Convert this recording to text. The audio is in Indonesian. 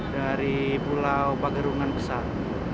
dari pulau pagerungan besar